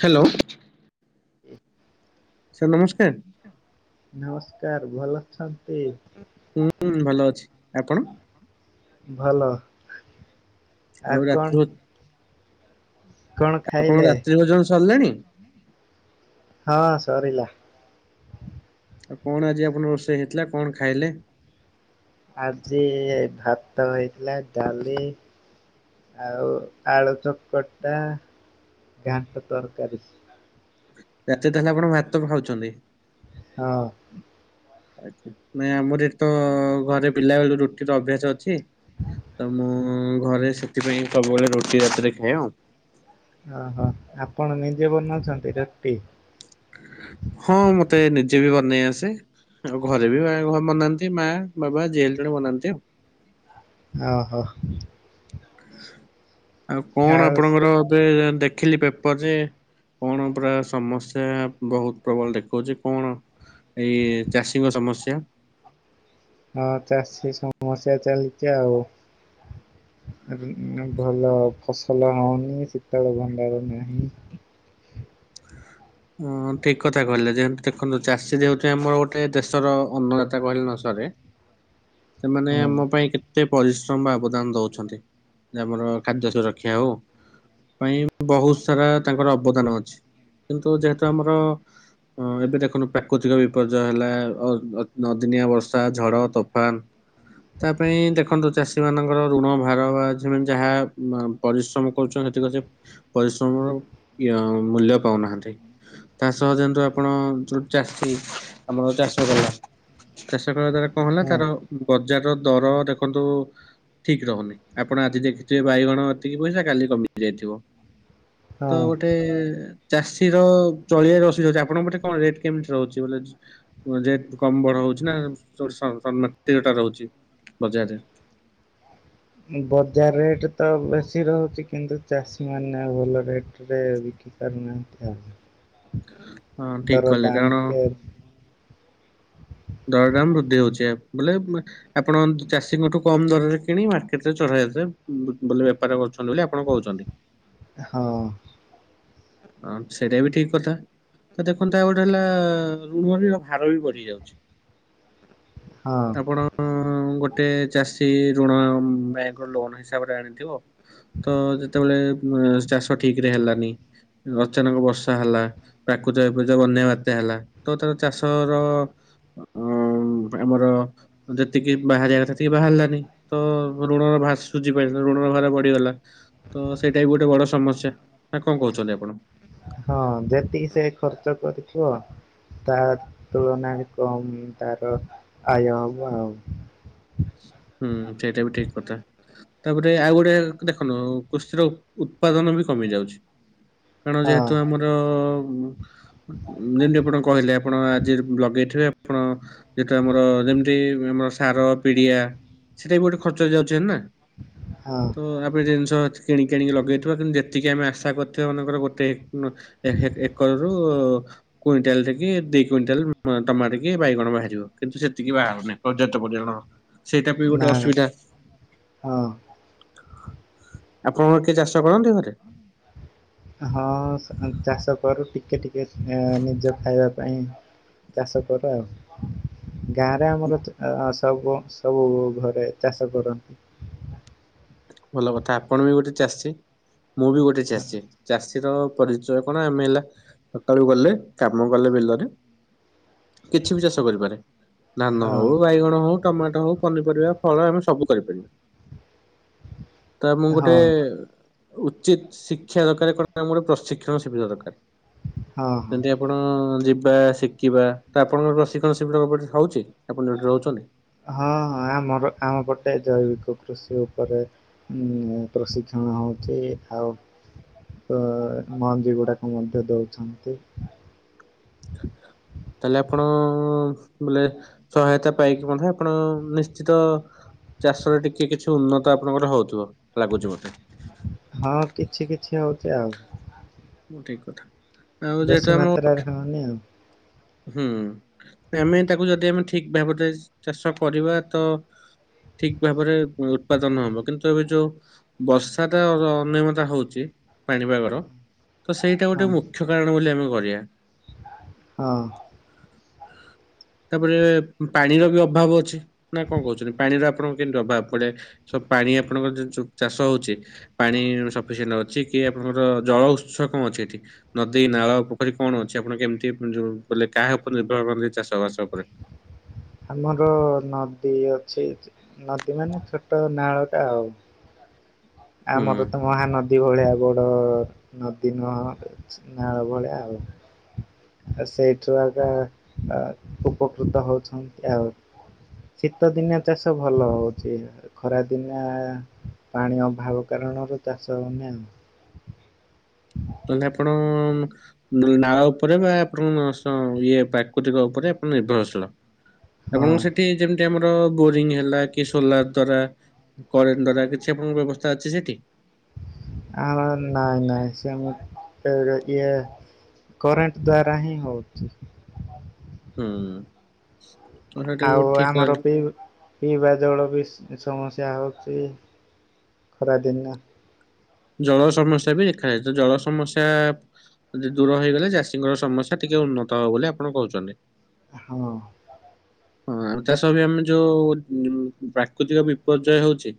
Hello. [inaudible] Sir ନମସ୍କାର। ନମସ୍କାର ଭଲ ଅଛନ୍ତି। ହୁଁ ହୁଁ ଭଲ ଅଛି ଆପଣ? ଭଲ। ଆଉ ରାତି କଣ ଆପଣଙ୍କ ଖାଇଲେ? ରାତ୍ରି ଭୋଜନ ସରିଲାଣି? ହଁ ସରିଲା। ଆଉ କଣ ଆଜି ଆପଣଙ୍କ ରୋଷେଇ ହେଇଥିଲା କଣ ଖାଇଲେ? ଆଜି ଭାତ ହେଇଥିଲା ଡାଲି ଆଉ ଆଳୁ ଚକଟା ଘାଣ୍ଟ ତରକାରୀ ରାତିରେ ତାହେଲେ ଆପଣ ଭାତ ଖାଉଛନ୍ତି? ହଁ। [unintelligible] ଆମର ଏଠି ତ ଘରେ ପିଲାବେଳୁ ରୁଟିର ଅଭ୍ୟାସ ଅଛି। ତ ମୁଁ ଘରେ ସେଥିପାଇଁ ସବୁବେଳେ ରୁଟି ରାତିରେ ଖାଏ ଆଉ ଓହୋ ଆପଣ ନିଜେ ବନାଉଛନ୍ତି ରୁଟି? ହଁ ମତେ ନିଜେ ବି ବନେଇ ଆସେ ଆଉ ଘରେ ବି ବନାନ୍ତି ମା ବାବା ଜିଏ ହେଲେ ଜଣେ ବନାନ୍ତି ଆଉ ଓହୋ। ଆଉ କଣ ଆପଣଙ୍କର ଏବେ ଦେଖିଲି ପେପର ଯେ କଣ ପୁରା ସମସ୍ୟା ବହୁତ ପ୍ରବଳ ଦେଖଉଛି କଣ? ଏଇ ଚାଷୀଙ୍କ ସମସ୍ୟା ହଁ ଚାଷୀ ସମସ୍ୟା ଚାଲିଛି ଆଉ [unintelligible] ଭଲ ଫସଲ ହଉନି ଶୀତଳ ଭଣ୍ଡାର ନାହିଁ ହଁ ଠିକ କଥା କହିଲେ ଯେହେତୁ ଦେଖନ୍ତୁ ଚାଷୀ ଯେହେତୁ ଆମର ଗୋଟେ ଦେଶର ଅନ୍ନଦାତା କହିଲେ ନ ସରେ ସେମାନେ ହଁ ଆମ ପାଇଁ କେତେ ଏତେ ପରିଶ୍ରମ ବା ଅବଦାନ ଦଉଛନ୍ତି ଆମର ଖାଦ୍ୟ ସୁରକ୍ଷା ହଉ ପାଇଁ ବହୁତ ସାରା ତାଙ୍କର ଅବଦାନ ଅଛି। କିନ୍ତୁ ଯେହେତୁ ଆମର ଏବେ ଦେଖନ୍ତୁ ପ୍ରାକୃତିକ ବିପର୍ଯ୍ୟୟ ହେଲା ଅ ଅ ଅଦିନିଆ ବର୍ଷା ଝଡ଼ ତୋଫାନ ତା ପାଇଁ ଦେଖନ୍ତୁ ଚାଷୀମାନଙ୍କର ଋଣ ଭାର ବା ଯେମିତି ଯାହା ପରିଶ୍ରମ କରୁଛନ୍ତି ସେତିକ ସେ ପରିଶ୍ରମର ମୂଲ୍ୟ ପାଉନାହାନ୍ତି ତା ସହ ଯେହେତୁ ଆପଣ ଯୋଉ ଚାଷୀ ଆମର ଚାଷ କଲା ଚାଷ କରିବା ଦ୍ଵାରା କଣ ହେଲା ହଁ ତାର ବଜାର ର ଦର ଦେଖନ୍ତୁ ଠିକ୍ ରହୁନି ଆପଣ ଆଜି ଦେଖିଥିବେ ବାଇଗଣ ଏତିକି ପଇସା କାଲି କମି ଯାଇଥିବ ତ ହଁ। ଗୋଟେ ଚାଷୀ ସେ ର ଚଳିଆରେ ଅସୁବିଧା ହଉଛି ଆପଣଙ୍କ ପଟେ କଣ ରେଟ କେମିତି ରହୁଛି ବୋ ରେଟ କମ ବଢ ହଉଛି [unintelligible] ରହୁଛି ବଜାରରେ ବଜାର ରେଟ୍ ତ ବେଶୀ ରହୁଛି କିନ୍ତୁ ଚାଷୀ ମାନେ ଭଲ ରେଟ୍ ବିକିପାରୁନାହାନ୍ତି ଆଉ ହଁ ଠିକ ଦର କଲେ କାରଣ ଦାମ ଟିକେ ଦରଦାମ ବୃଦ୍ଧି ହଉଛି ବୋଲେ ଆପଣ ଚାଷୀଙ୍କଠୁ କମ ଦରରେ କିଣିବା କେତେ ଚଢବେ ବ ବେପାର କରୁଛନ୍ତି ବୋଲି ଆପଣ କହୁଛନ୍ତି। ହଁ। ହଁ ସେଇଟା ବି ଠିକ କଥା। ତ ଦେଖନ୍ତୁ ଆଉ ଗୋଟେ ହେଲା ଋଣଣୀର ଭାର ବି ବଢି ଯାଉଛି ହଁ। ଆପଣ ଗୋଟେ ଚାଷୀ ଋଣ ବ୍ୟାଙ୍କର ଲୋନ ହିସାବରେ ଆଣିଥିବ ତ ଯେତେବେଳେ ଚାଷ ଠିକରେ ହେଲାନି ଅଚାନକ ବର୍ଷା ହେଲା ପ୍ରାକୃତିକ ବିପଯ୍ୟୟ ବନ୍ୟା ବାତ୍ୟା ହେଲା ତ ତାର ଚାଷର ଆଉ ଆମର ଯେତିକି ବାହାରିବ କଥା ସେତିକି ବାହାରିଲାନି। ତ ଋଣର ଭାସୁଝି ବ୍ୟାଙ୍କର ଋଣର ଭାର ବଢିଗଲା। ତ ସେଇଟା ବି ଗୋଟେ ବଡ ସମସ୍ୟା ନା କଣ କହୁଛନ୍ତି ଆପଣ? ହଁ ଯେତିକି ସେ ଖର୍ଚ୍ଚ କରିଥିବ ତା ତୁଳନାରେ କମ୍ ତାର ଆୟ ହେବ ଆଉ ହୁଁ ସେଇଟା ବି ଠିକ କଥା। ତାପରେ ଆଉ ଗୋଟେ ଦେଖନ୍ତୁ କୃଷିର ଉ ଉତ୍ପାଦନ ବି କମିଯାଉଛି। ଆପଣ ହଁ ଯେହେତୁ ଆମର ଯେମିତି ଆପଣ କହିଲେ ଆପଣ ଆଜି ଲଗେଇଥିବେ ଆପଣ ଯେହେତୁ ଆମର ଯେମିତି ଆମର ସାର ପିଡିଆ ସେଟା ବି ଗୋଟେ ଖର୍ଚ୍ଚ ଯାଉଛି ନା ହଁ ତ ଆ ପରେ ଜିନିଷ କିଣିକି କିଣିକି ଲଗେଇଥିବ କିନ୍ତୁ ଯେତିକି ଆମେ ଆଶା କରିଥିବା ମନେକର ଗୋଟେ ଏ ଏ ଏକର ରୁ କୁଇଣ୍ଟାଲ କି ଦି କୁଇଣ୍ଟାଲ ଟମାଟ କି ବାଇଗଣ ବାହାରିବ କିନ୍ତୁ ସେତିକି ବାହାରୁନି ଯେତେ ପର୍ଯ୍ୟନ୍ତ ସେଇଟା ବି ନା ଗୋଟେ ଅସୁବିଧା। ହଁ ଆପଣଙ୍କର କିଏ ଚାଷ କରନ୍ତି ଘରେ ହଁ ସାର ଚାଷ କରୁ ଟିକେ ଟିକେ ନିଜେ ଖାଇବା ପାଇଁ। ଚାଷ କର ଆଉ ଗାଁରେ ଆମର ସବୁ ସବୁ ଘରେ ଚାଷ କରନ୍ତି। ଭଲ କଥା ଆପଣ ବି ଗୋଟେ ଚାଷୀ। ମୁଁ ବି ଗୋଟେ ଚାଷୀ ଚାଷୀର ପରିଚୟ କଣ ଆମେ ହେଲା ସକାଳୁ ଗଲେ କାମ କଲେ ବିଲରେ କିଛି ବି ଚାଷ କରିପାରେ। ଧାନ ହଁ ହଉ ବାଇଗଣ ହଉ ଟମାଟୋ ହଉ ପନିପରିବା ଫଳ ଆମେ ସବୁ କରିପାରିବା। ତ ମୁଁ ଗୋଟେ ହଁ ଉଚିତ ଶିକ୍ଷା ଦରକାର କଣ ଗୋଟେ ପ୍ରଶିକ୍ଷଣ ଶିବିର ଦରକାର। ହଁ ହଁ ଯେମିତି ଆପଣ ଯିବା ଶିଖିବା ତ ଆପଣଙ୍କର ପ୍ରଶିକ୍ଷଣ ଶିବିର କଣ ହଉଛି? ଆପଣ ଯୋଉଠି ରହୁଛନ୍ତି। ହଁ ହଁ। ଆମର ଆମ ପଟେ ଜୈବିକ କୃଷି ଉପରେ ହୁଁ ପ୍ରଶିକ୍ଷଣ ହେଉଛି ଆଉ ତ ମଞ୍ଜି ଗୁଡାକ ମଧ୍ୟ ଦଉଛନ୍ତି। ତାହେଲେ ଆପଣ ବୋଲେ ସହାୟତା ପାଇକି ମଧ୍ୟ ଆପଣ ନିଶ୍ଚିତ ଚାଷରେ ଟିକେ କିଛି ଉନ୍ନତ ଆପଣଙ୍କର ହଉଥିବ, ଲାଗୁଛି ମୋତେ ହଁ କିଛି କିଛି ହଉଛି ଆଉ ଠିକ କଥା। ଆଉ ଯେହେତୁ ବେଶୀ ଆମ ମାତ୍ରାରେ ହୋଉନି ଆଉ। ହୁଁ ଆମେ ତାକୁ ଯଦି ଆମେ ଠିକ ଭାବରେ ଚାଷ କରିବା ତ ଠିକ ଭାବରେ ଉତ୍ପାଦନ ହବ କିନ୍ତୁ ଏବେ ଯୋଉ ବର୍ଷା ଟା ଅନିୟମତା ହଉଛି ପାଣିପାଗର ତ ସେଇଟା ଗୋଟେ ହଁ ମୁଖ୍ୟ କାରଣ ବୋଲି ଆମେ କରିବା। ହଁ। [unintelligible] ତାପରେ ପାଣିର ବି ଅଭାବ ଅଛି ନା କଣ କହୁଛନ୍ତି ପାଣିର ଆପଣଙ୍କୁ କେମତି ଅଭାବ ପଡେ ସ ପାଣି ଆପଣଙ୍କର ଯୋଉ ଚାଷ ହଉଚି। ପାଣି ସଫିସିଏଣ୍ଟ ଅଛି କି ଆପଣଙ୍କର ଜଳ ଉତ୍ସ କଣ ଅଛି ଏଠି? ନଦୀ, ନାଳ, ପୋଖରୀ କଣ ଅଛି ଆପଣ କେମିତି ଯୋଉ ବୋଲେ କାହା ଉପରେ ନିର୍ଭର କରନ୍ତି ଚାଷ ବାସ ଉପରେ? ଆମର ନଦୀ ଅଛି, ନଦୀ ମାନେ ଛୋଟ ନାଳଟା ଆଉ। ହୁଁ ଆମର ତ ମହାନଦୀ ଭଳିଆ ବଡ ନଦୀ ନୁହଁ ନାଳ ଭଳିଆ ଆଉ। ଆ ସେଇଠୁ ଆଗା ଆ ଉପକୃତ ହଉଛନ୍ତି ଆଉ। ଶୀତଦିନିଆ ଚାଷ ଭଲ ହଉଛି। ଖରାଦିନିଆ ପାଣି ଅଭାବ କାରଣରୁ ଚାଷ ହଉନି ଆଉ। ତାହେଲେ ଆପଣ ନାଳ ଉପରେ ବା ଆପଣଙ୍କ ସଁ ଇଏ ପ୍ରାକୃତିକ ଉପରେ ଆପଣ ନିର୍ଭରଶୀଳ। ହଁ ଆପଣଙ୍କ ସେଠି ଯେମିତି ଆମର ବୋରିଂ ହେଲା କି ସୋଲାର ଦ୍ଵାରା କରେଣ୍ଟ ଦ୍ୱାରା କିଛି ଆପଣଙ୍କ ବ୍ୟବସ୍ଥା ଅଛି ସେଠି? ତ ନାଇଁ ନାଇଁ ସେ ଆମ ଏ ଇଏ କରେଣ୍ଟ ଦ୍ଵାରା ହିଁ ହଉଛି। ହୁଁ ତ ସେଟା ବି ଆଉ ଗୋଟେ ଠିକ୍ ଆମର କହିଲେ ବି ପିଇବା ଜଳ ବି ସମସ୍ୟା ହଉଛି ଖରାଦିନ। ଜଳ ସମସ୍ୟା ବି ଦେଖାଯାଏ, ଜଳ ସମସ୍ୟା ଯଦି ଦୂର ହେଇଗଲେ ଚାଷୀଙ୍କର ସମସ୍ୟା ଟିକେ ଉନ୍ନତ ହବ ବୋଲି ଆପଣ କହୁଛନ୍ତି। ହଁ ହଁ ଆଉ ତା ସହବି ଆମେ ଯୋଉ ପ୍ରାକୃତିକ ବିପର୍ଯ୍ୟୟ ହଉଛି।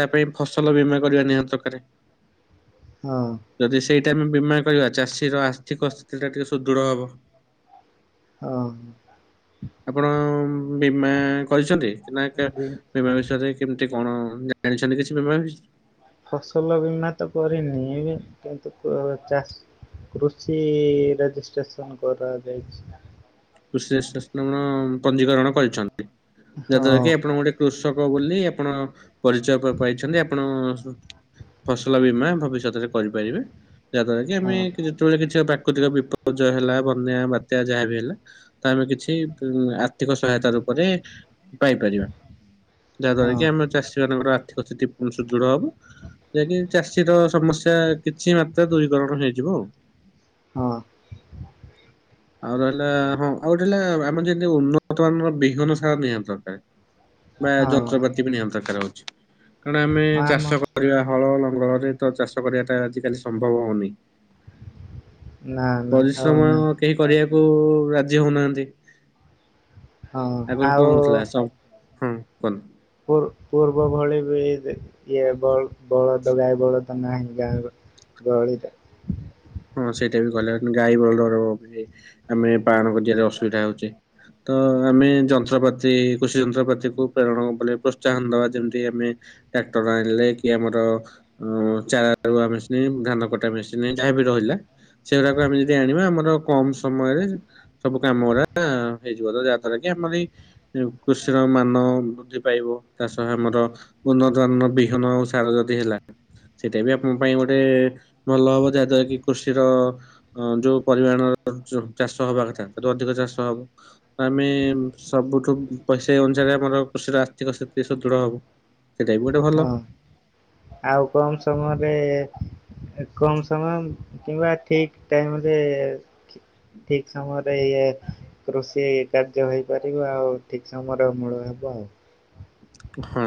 ତା ପାଇଁ ଫସଲ ବୀମା କରିବା ନିହାତି ଦରକାର। ହଁ ଯଦି ସେଇଟା ଆମେ ବୀମା କରିବା ଚାଷୀର ଆର୍ଥିକ ସ୍ଥିତିଟା ଟିକେ ସୁଦୃଢ ହବ। ହଁ ଆପଣ ବୀମା କରିଛନ୍ତି ନା ବି [unintelligible] ବୀମା ବିଷୟରେ କେମିତି କଣ ଜାଣିଛନ୍ତି କିଛି ବୀମା ବିଷ୍ ଫସଲ ବୀମା ତ କରିନି ଏବେ କିନ୍ତୁ ଚାଷ କୃଷି ରେଜିଷ୍ଟ୍ରେସନ କରାଯାଇଛି। [unintelligible] ପଞ୍ଜୀିକରଣ କରିଛନ୍ତି, ହଁ ଯାହାଦ୍ଵାରା କି ଆପଣ ଗୋଟେ କୃଷକ ବୋଲି ଆପଣ ପରିଚୟ ପାଇଛନ୍ତି ଆପଣ ଫସଲ ବୀମା ଭବିଷ୍ୟତରେ କରିପାରିବେ। ଯାହାଦ୍ୱାରା କି ହଁ ଆମେ ଯେତେବେଳେ କିଛି ପ୍ରାକୃତିକ ବିପର୍ଯ୍ୟୟ ହେଲା ବନ୍ୟା ବାତ୍ୟା ଯାହାବିି ହେଲା ତ ଆମେ କିଛି ଉ ଆର୍ଥିକ ସହାୟତା ରୂପରେ ପାଇପାରିବା। ଯାହାଦ୍ୱାରା ହଁ କି ଆମ ଚାଷୀମାନଙ୍କର ଆର୍ଥିକ ସ୍ଥିତି ପୁଣି ସୁଦୃଢ ହବ। ଯାହାକିି ଚାଷୀର ସମସ୍ୟା କିଛି ମାତ୍ରା ଦୂରୀକରଣ ହେଇଯିବ ଆଉ। ହଁ ଆଉ ରହିଲା ହଁ ଆଉ ଗୋଟେ ହେଲା ଆମର ଯେମିତି ଉନ୍ନତ ମାନର ବିହନ ସାର ନିହାତି ଦରକାର। ବା ହଁ ହଁ ଯନ୍ତ୍ରପାତି ବି ନିହାତି ଦରକାର ହଉଛି, କାରଣ ଆମେ ଆମ ଚାଷ କରିବା ହଳ ଲଙ୍ଗଳରେ ତ ଚାଷ କରିବାଟା ଆଜିିକାଲି ସମ୍ଭବ ହଉନି। ନା ନା ହଉ ପରିଶ୍ରମ ନାଇଁ କେହି କରିବାକୁ ରାଜି ହଉନାହାନ୍ତି। ହଁ ଆଗରେ ଆଉ କଣ ହଉଥିଲା ସଁ ହଁ କନ୍? ପୂର୍ ପୂର୍ବ ଭଳି ବି ଦେ ଇଏ ବଳ ବଳଦ ଗାଈ ବଳଦ ନାହିଁ ଗାଁ ଗହଳି ଗହଳିଟା। ହଁ ସେଇଟା ବି କଲେ ଗାଈ ବଲ୍ଦର ଆମେ ପାଳନ କରିବାରେ ଅସୁବିଧା ହଉଛେ। ତ ଆମେ ଯନ୍ତ୍ରପାତି କୃଷି ଯନ୍ତ୍ରପାତିକୁ ପ୍ରେରଣ କଲେ ପ୍ରୋତ୍ସାହନ ଦବା ଯେମିତି ଆମେ ଟ୍ରାକ୍ଟର ଆଣିଲେ କି ଆମର ଅ ଚାରା ରୁଆ ମେସିନ୍ ଧାନ କଟା ମେସିନ୍ ଯାହାବି ରହିଲା ସେଗୁରାକୁ ଆମେ ଯଦି ଆଣିବା ଆମର କମ ସମୟରେ ସବୁ କାମ ଗୁଡା ହେଇଯିବ ତ ଯାହା ଦ୍ୱାରା କି ଆମର ଏଇ କୃଷିର ମାନ ବୃଦ୍ଧି ପାଇବ ତା ସହ ଆମର ଉନ୍ନ ଧାନର ବିହନ ଆଉ ସାର ଯଦି ହେଲା। ସେଇଟା ବି ଆପଣଙ୍କ ପାଇଁ ଗୋଟେ ଭଲ ହବ ଯାହା ଦ୍ଵାରା କି କୃଷିର ଯୋଉ ପରିମାଣର ଚାଷ ହବା କଥା ତାଠୁ ଅଧିକ ଚାଷ ହବ। ଆମେ ସବୁଠୁ ପ ସେଇ ଅନୁସାରେ ଆମର କୃଷିର ଆର୍ଥିକ ସ୍ଥିତି ସୁଦୃଢ ହବ। ସେଇଟା ବି ଗୋଟେ ଭଲ। ହଁ ଆଉ କମ୍ ସମୟରେ କମ ସମୟ କିମ୍ବା ଠିକ ଟାଇମ ରେ ଠିକ ସମୟ ଇଏ କୃଷି କାର୍ଯ୍ୟ ହେଇପାରିବ ଆଉ ଠିକ ସମୟରେ ମୂଳ ହେବ ଆଉ। ହଁ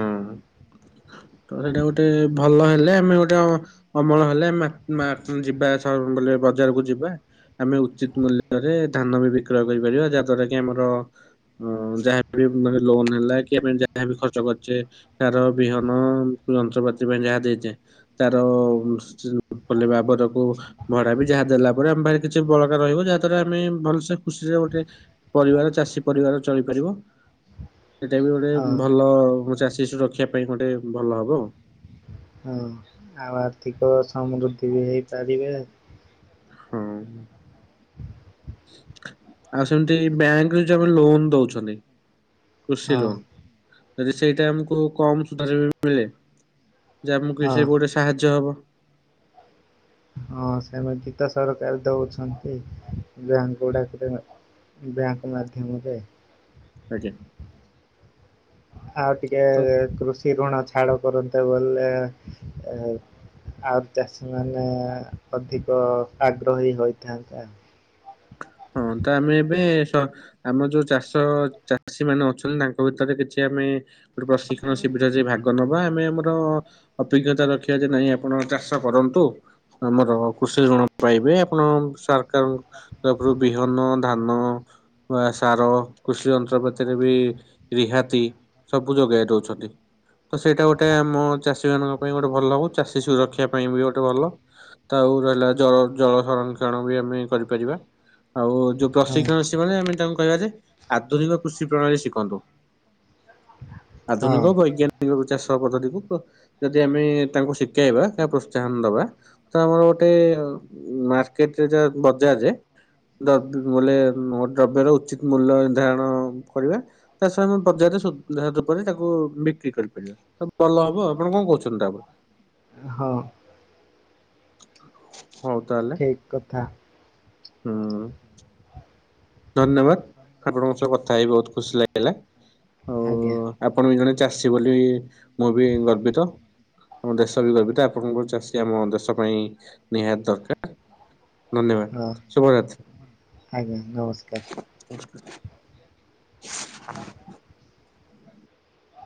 ତ ସେଇଟା ଗୋଟେ ଭଲ ହେଲେ ଆମେ ଗୋଟେ ଅମଳ ହେଲେ ମା ମା ଯିବା ବ ବଜାରକୁ ଯିବା। ଆମେ ଉଚିତ ମୂଲ୍ୟରେ ଧାନ ବି ବିକ୍ରୟ କରିପାରିବା ଯାହା ଦ୍ଵାରା କି ଆମର ହଁ ଯାହାବି ମାନେ ଲୋନ୍ ହେଲା କି ଆମେ ଯାହା ବି ଖର୍ ଚ କରଛେ ସାର ବିହନ ଯନ୍ତ୍ରପାତି ପାଇଁ ଯାହା ଦେଇଚେ। ତାର କଲେ ବାବରକୁ ଭଡା ବି ଯାହା ଦେଲା ପରେ ଆମେ ଭ କିଛି ବଳକା ରହିବ ଯାହା ଦ୍ୱାରା ଆମେ ଭଲସେ ଖୁସିରେ ଗୋଟେ ପରିବାର ଚାଷୀ ପରିବାର ଚଳିପାରିବ ସେଇଟା ବି ଗୋଟେ ହଁ ଭ ଭଲ ଚାଷୀ ସୁରକ୍ଷା ପାଇଁ ଗୋଟେ ଭଲ ହବ। ହଁ ଆ ଆର୍ଥିକ ସମୃଦ୍ଧି ବି ହେଇପାରିବେ। ହଁ। ଆଉ ସେମତି ବ୍ୟାଙ୍କ ଯ ଆମ ଲୋନ ଦଉଛନ୍ତି। କୃଷି ହଁ ଲୋନ୍ ଯଦି ସେଇଟା ଆମକୁ କମ ସୁଧରେ ବି ମିଳେ। ଯେ ଆମକୁ ହଁ ସେ ଗୋଟେ ସାହାଯ୍ୟ ହବ। ହଁ ସେମିତି ତ ସରକାର ଦଉଛନ୍ତି ବ୍ୟାଙ୍କ ଗୁଡାକରେ ବ୍ୟାଙ୍କ ମାଧ୍ୟମରେ। ଆଜ୍ଞା। ଆଉ ଟିକେ ତ କୃଷି ଋଣ ଛାଡ଼ କରନ୍ତେ ବଲେ ଆଉ ଚାଷୀ ମାନେ ଅଧିକ ଆଗ୍ରହୀ ହୋଇଥାନ୍ତେ ଆଉ। ହଁ ତ ଆମେ ଏବେ ସ ଆମ ଯୋଉ ଚାଷ ଚାଷୀ ମାନେ ଅଛନ୍ତି ତାଙ୍କ ଭିତରେ କିଛି ଆମେ ଗୋଟେ ପ୍ରଶିକ୍ଷଣ ଶିବିର ଯ ଭାଗ ନବା ଆମେ ଆମର ଅଭିଜ୍ଞତା ରଖିବା ଯେ ନାଇଁ ଆପଣ ଚାଷ କରନ୍ତୁ। ଆମର କୃଷି ଋଣ ପାଇବେ ଆପଣ ସରକାର ତାପରେ ବିହନ ଧାନ ବା ସାର କୃଷି ଯନ୍ତ୍ରପାତିରେ ବି ରିହାତି ସବୁ ଯୋଗେଇ ଦଉଛନ୍ତି। ତ ସେଇଟା ଗୋଟେ ଆମ ଚାଷୀ ମାନଙ୍କ ପାଇଁ ଗୋଟେ ଭଲ ହଉ ଚାଷୀ ସୁରକ୍ଷା ପାଇଁ ବି ଗୋଟେ ଭଲ। ତାଉ ରହିଲା ଜଳ ଜଳ ସଂରକ୍ଷଣ ବି ଆମେ କରିପାରିବା। ଆଉ ଯୋଉ ହଁ ପ୍ରଶିକ୍ଷଣ ଅ ମାନ ଆମେ ତାଙ୍କୁ କହିବା ଯେ ଆଧୁନିକ କୃଷି ପ୍ରଣାଳୀ ଶିଖନ୍ତୁ। ହଁ ଆଧୁନିକ ବୈଜ୍ଞାନିକ ଚାଷ ପଦ୍ଧତିକୁ ଯଦି ଆମେ ତାଙ୍କୁ ଶିଖେଇବା ପ୍ରୋତ୍ସାହନ ଦବା ତ ଗୋଟେ ମାର୍କେଟରେ ଯାହା ବଜାରରେ ଦ [unintelligible] ବଲେ ଦ୍ରବ୍ୟର ଉଚିତ୍ ମୂଲ୍ୟର୍ଧାରଣ କରିବା ତା ସହି ଆମେ ବଜାରରେ [unintelligible] ତାକୁ ବିକ୍ରି କରିପାରିବା। ସ ଭଲ ହବ ଆପଣ କଣ କହୁଛନ୍ତି ତାପରେ। ହଁ। ହଉ ତାହାଲେ ଠିକ କଥା। ହୁଁ। ଧନ୍ୟବାଦ ଆପଣଙ୍କ ସହ କଥା ହେଇି ବହୁତ ଖୁସି ଲାଗିଲା। ଆଉ ଆଜ୍ଞା। ଆପଣ ବି ଜଣେ ଚାଷୀ ବୋଲି ମୁଁ ବି ଗର୍ବିତ। ଆମ ଦେଶ ବି ଗର୍ବିତ ଆପଣଙ୍କର ଚାଷୀ ଆମ ଦେଶ ପାଇଁ ନିହାତି ଦରକାର। ଧନ୍ୟବାଦ ହଁ ଶୁଭରାତ୍। ଆଜ୍ଞା ନମସ୍କାର। ଆ [inaudible] [inaudible]